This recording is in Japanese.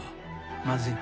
まずいな。